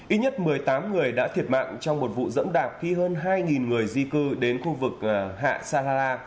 ít nhất một mươi tám người đã thiệt mạng trong một vụ dẫm đạp khi hơn hai người di cư đến khu vực hạ sahara